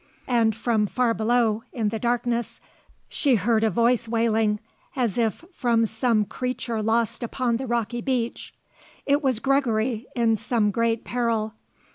And from far below, in the darkness, she heard a voice wailing as if from some creature lost upon the rocky beach. It was Gregory in some great peril.